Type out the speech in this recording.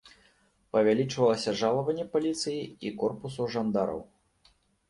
Павялічвалася жалаванне паліцыі і корпусу жандараў.